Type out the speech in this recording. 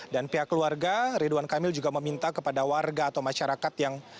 pihak keluarga ridwan kamil juga meminta kepada warga atau masyarakat yang